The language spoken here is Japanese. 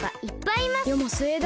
よもすえだ。